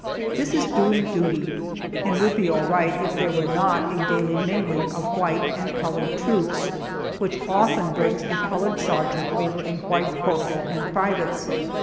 This is doing duty, and would be all right if there were not a daily mingling of white and colored troops which often brings a colored sergeant over a white corporal and privates.